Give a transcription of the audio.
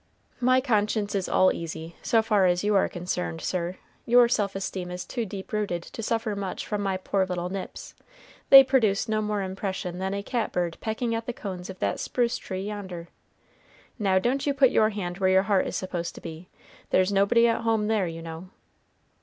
"My conscience is all easy, so far as you are concerned, sir; your self esteem is too deep rooted to suffer much from my poor little nips they produce no more impression than a cat bird pecking at the cones of that spruce tree yonder. Now don't you put your hand where your heart is supposed to be there's nobody at home there, you know.